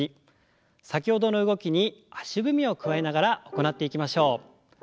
先ほどの動きに足踏みを加えながら行っていきましょう。